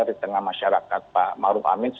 di tengah masyarakat pak maruf amin